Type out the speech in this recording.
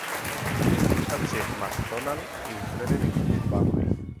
H. MacDonald y Frederick Varley.